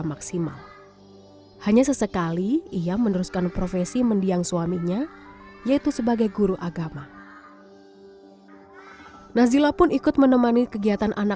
nazila selalu mengalami penyakit tersebut